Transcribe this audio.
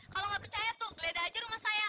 kalau nggak percaya tuh geledah aja rumah saya